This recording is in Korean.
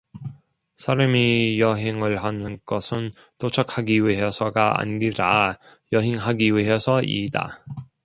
사람이 여행을 하는 것은 도착하기 위해서가 아니라 여행하기 위해서이다.